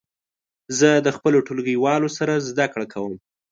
زه د خپلو ټولګیوالو سره زده کړه کوم.